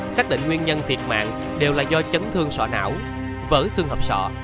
xác định nguyên nhân thiệt mạng đều là do chấn thương sọ não vỡ xương hợp sọ